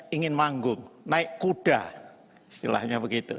banyak yang ingin manggung naik kuda istilahnya begitu